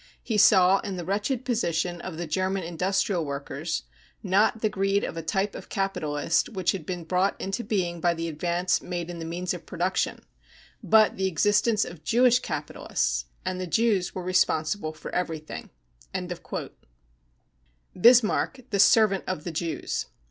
He saw in the wretched position of the German in dustrial workers not the greed of a type of capitalist which had been brought into being by the advance made in the means of production, but the existence of Jewish capitalists — and the Je^vs were responsive for everything." Bismarck the " Servant of the Jews.